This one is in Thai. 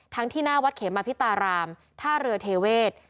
ที่หน้าวัดเขมภิตารามท่าเรือเทเวศ